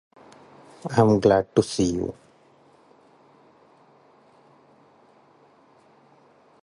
I am glad to see you.